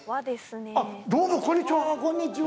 あっどうもこんにちは。